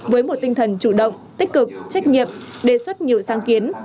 với một tinh thần chủ động tích cực trách nhiệm đề xuất nhiều sáng kiến